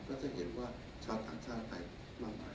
ก็จะเห็นว่าชาวต่างชาติไทยมากมาย